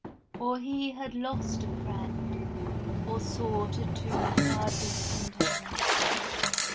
Or he had lost a friend, Or sought a too far distant end.